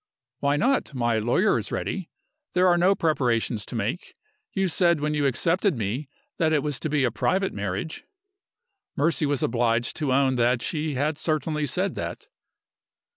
"Why not? My lawyer is ready. There are no preparations to make. You said when you accepted me that it was to be a private marriage." Mercy was obliged to own that she had certainly said that.